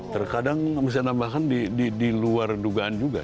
terkadang bisa nambahkan di luar dugaan juga